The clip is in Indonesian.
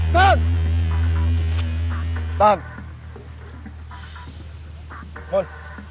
hai dan tan